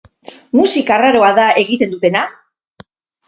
Musika arraroa da egiten dutena?